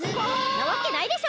なわけないでしょ！